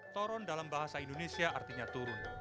toron dalam bahasa indonesia artinya turun